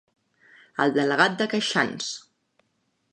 El delegat de Queixans.